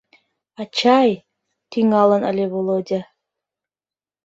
— Ачай!.. — тӱҥалын ыле Володя.